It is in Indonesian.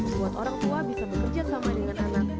buat orang tua bisa bekerja sama dengan anak